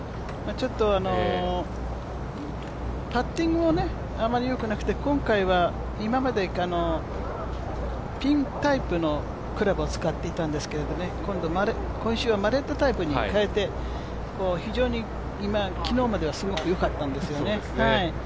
ちょっと、パッティングもあまり良くなくて今回は今まで、ピンタイプのクラブを使っていたんですけど今度、今週はマレットタイプに替えて昨日まではすごくよかったんですよね。